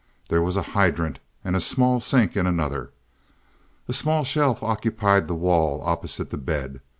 There was a hydrant and small sink in another. A small shelf occupied the wall opposite the bed.